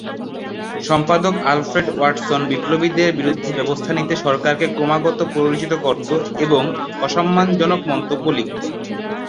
সম্পাদক Alfred Watson বিপ্লবীদের বিরুদ্ধে ব্যবস্থা নিতে সরকারকে ক্রমাগত প্ররোচিত করত এবং অসম্মানজনক মন্তব্য লিখতো।